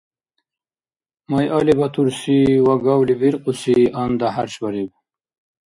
Майалибатурси ва гавлибиркьуси анда хӀяршбариб.